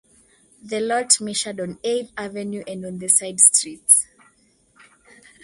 The lot measured on Eighth Avenue and on the side streets.